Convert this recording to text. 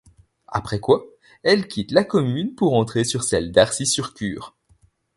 Après quoi elle quitte la commune pour entrer sur celle d'Arcy-sur-Cure.